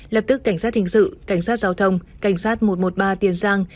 lập tức cảnh sát hình sự cảnh sát giao thông cảnh sát một trăm một mươi ba tiền giang